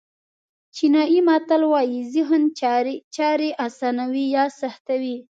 چینایي متل وایي ذهن چارې آسانوي یا سختوي.